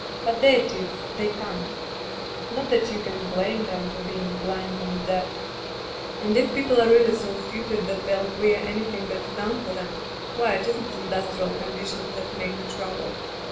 But there it is. They can't. Not that you can blame 'em for being blind and deaf. ... "And if people are really so stupid that they'll queer anything that's done for them, why, it isn't industrial conditions that make the trouble.